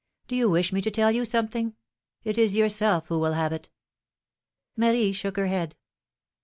Do you wish me to tell you something ? It is yourself who will have it !" Marie shook her head.